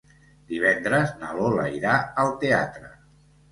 Divendres na Lola irà al teatre.